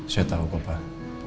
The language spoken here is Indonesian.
saya tahu bapak